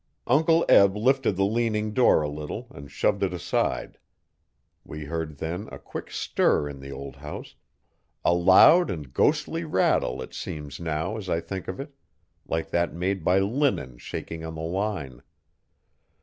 Uncle Eb lifted the leaning door a little and shoved it aside. We heard then a quick stir in the old house a loud and ghostly rattle it seems now as I think of it like that made by linen shaking on the line.